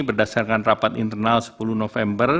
berdasarkan rapat internal sepuluh november